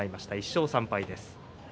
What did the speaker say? １勝３敗です。